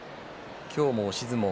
今日も押し相撲。